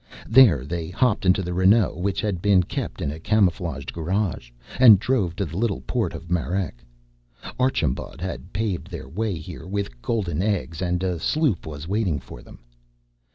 There they hopped into the Renault, which had been kept in a camouflaged garage, and drove to the little port of Marrec. Archambaud had paved their way here with golden eggs and a sloop was waiting for them.